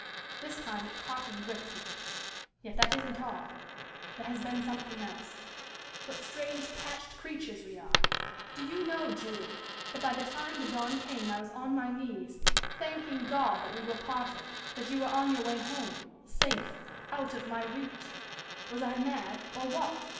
This time it caught and gripped me. Yet that isn't all. There has been something else. "What strange, patched creatures we are! Do you know, Julie, that by the time the dawn came I was on my knees thanking God that we were parted that you were on your way home safe out of my reach? Was I mad, or what?